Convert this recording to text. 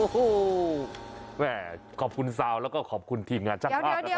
แหมขอบคุณซาวแล้วก็ขอบคุณทีมงานจักรภัย